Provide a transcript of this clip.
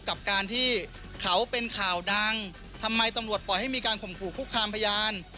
กับการที่เขาเป็นข่าวดังทำไมตำรวจปล่อยให้มีการข่มขู่คุกคามพยาน